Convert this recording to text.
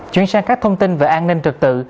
chuyển sang các thông tin về an ninh trật tự